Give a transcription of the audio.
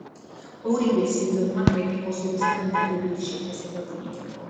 ორივე სეზონმა კრიტიკოსებისაგან დადებითი შეფასება მიიღო.